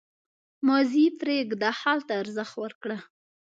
• ماضي پرېږده، حال ته ارزښت ورکړه.